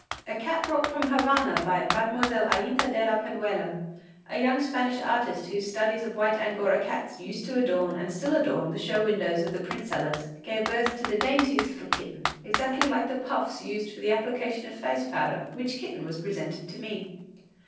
A cat brought from Havana by Mlle. Aïta de la Penuela, a young Spanish artist whose studies of white angora cats used to adorn and still adorn the show windows of the print sellers, gave birth to the daintiest little kitten, exactly like the puffs used for the application of face powder, which kitten was presented to me.